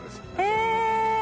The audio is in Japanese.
へえ！